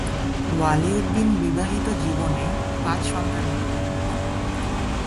ওয়ালি উদ্দিন বিবাহিত জীবনে পাঁচ সন্তানের জনক।